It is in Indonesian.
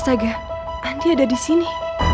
astaga andi ada disini